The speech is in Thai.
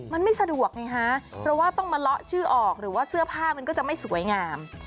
มันไม่สะดวกไงฮะเพราะว่าต้องมาเลาะชื่อออกหรือว่าเสื้อผ้ามันก็จะไม่สวยงาม